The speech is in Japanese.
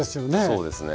そうですね。